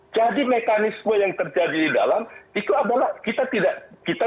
jadi mekanisme yang terjadi di dalam itu adalah kita tidak